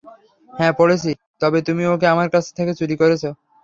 হ্যাঁ পড়েছি, তবে তুমি ওকে, আমার কাছ থেকে চুরি করেছো।